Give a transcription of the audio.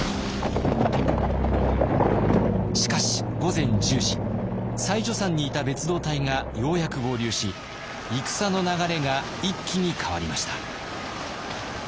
しかし午前１０時妻女山にいた別動隊がようやく合流し戦の流れが一気に変わりました。